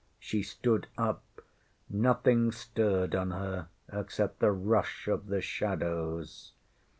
She stood up. Nothing stirred on her except the rush of the shadows.